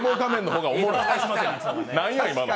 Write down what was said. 何や、今の。